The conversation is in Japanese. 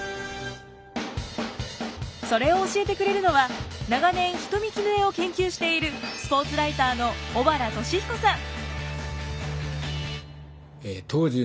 それを教えてくれるのは長年人見絹枝を研究しているスポーツライターの小原敏彦さん。